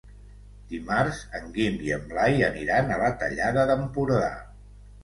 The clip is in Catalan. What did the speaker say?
Dimarts en Guim i en Blai aniran a la Tallada d'Empordà.